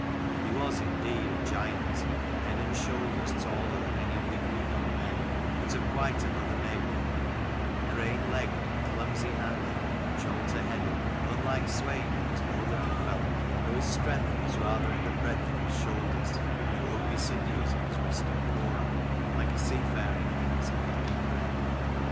He was indeed a giant, head and shoulders taller than any of the 44 Greenodd men, but of quite another make: crane legged and clumsy handed and jolter headed; unlike Swein, who was no little fellow, though his strength was rather in the breadth of his shoulders and the ropy sinews of his wrist and forearm, like a seafaring man as he had been bred.